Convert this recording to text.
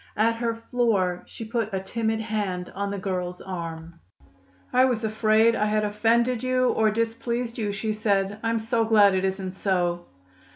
At her floor, she put a timid hand on the girl's arm. "I was afraid I had offended you or displeased you," she said. "I'm so glad it isn't so."